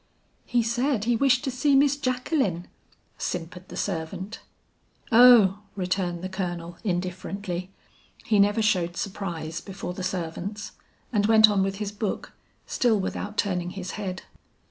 "'He said he wished to see Miss Jacqueline,' simpered the servant. "'Oh,' returned the Colonel indifferently. He never showed surprise before the servants and went on with his book, still without turning his head.